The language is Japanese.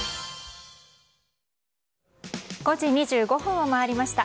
５時２５分を回りました。